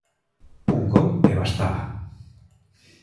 Un gol e bastaba.